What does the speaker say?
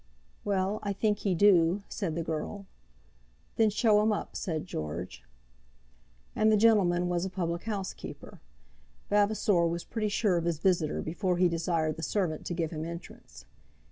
"Well, I think he do," said the girl. "Then show him up," said George. And the gentleman was a public house keeper. Vavasor was pretty sure of his visitor before he desired the servant to give him entrance.